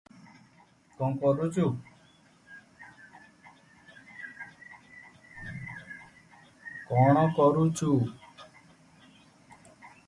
It is also the capital of the department of San Miguel and a municipality.